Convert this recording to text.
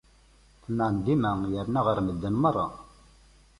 Temɛen dima yerna ɣer medden merra.